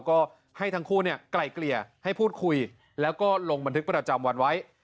ก็ให้ทั้งคู่ไกลเกลี่ยให้พูดคุยแล้วก็ลงบันทึกประจำวันไว้